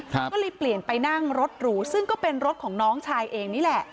ก็เลยเปลี่ยนไปนั่งรถหรูซึ่งก็เป็นรถของน้องชายเองนี่แหละ